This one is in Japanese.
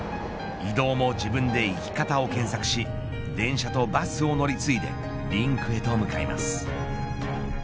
移動も自分で行き方を検索し電車とバスを乗り継いでリンクへと向かいます。